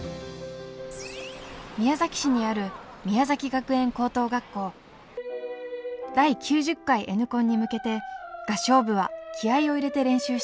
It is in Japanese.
宮崎市にある第９０回Ｎコンに向けて合唱部は気合いを入れて練習しています。